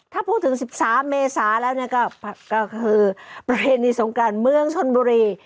ถ้าพูดถึง๑๓เมษาแล้วเนี่ยก็คือประเพณีสงการเมืองชนบุรี